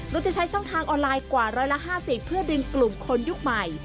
โดยจะใช้ช่องทางออนไลน์กว่า๑๕๐เพื่อดึงกลุ่มคนยุคใหม่